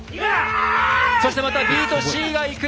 そしてまたＢとＣがいく！